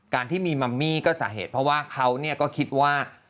การที่มีมัมมี่ก็สาเหตุเพราะว่าเขาก็คิดว่า